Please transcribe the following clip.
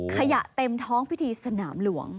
ขยะเต็มท้องพิธีสนามหลวง